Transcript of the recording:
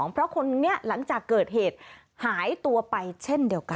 เพราะคนนี้หลังจากเกิดเหตุหายตัวไปเช่นเดียวกัน